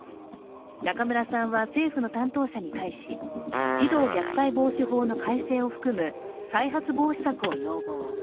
中村さんは、政府の担当者に対し、児童虐待防止法の改正を含む再発防止策を要望。